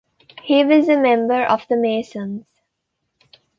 He was a member of the Masons.